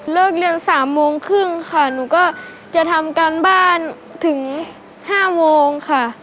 เรียน๓โมงครึ่งค่ะหนูก็จะทำการบ้านถึง๕โมงค่ะ